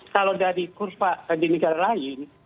kalau dari kurva di negara lain